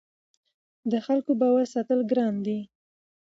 د خلکو باور ساتل ګران دي